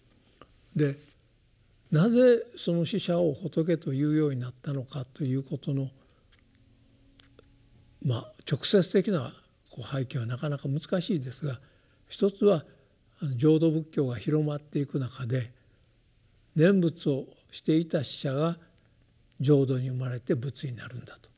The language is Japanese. でなぜその死者を仏というようになったのかということの直接的な背景はなかなか難しいですが１つは浄土仏教が広まっていく中で念仏をしていた死者が浄土に生まれて仏になるんだと。